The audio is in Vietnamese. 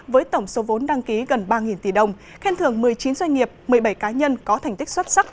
với tổng số vốn đăng ký gần ba tỷ đồng khen thưởng một mươi chín doanh nghiệp một mươi bảy cá nhân có thành tích xuất sắc